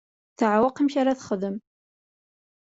Teɛweq amek ara texdem.